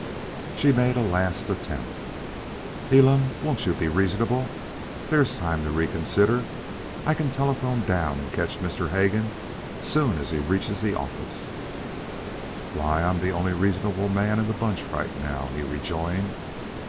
She made a last attempt. "Elam, won't you be reasonable? There is time to reconsider. I can telephone down and catch Mr. Hegan as soon as he reaches the office " "Why, I'm the only reasonable man in the bunch right now," he rejoined.